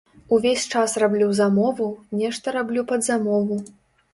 Увесь час раблю замову, нешта раблю пад замову.